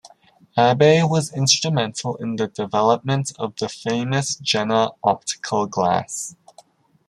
Abbe was instrumental in the development of the famous Jena optical glass.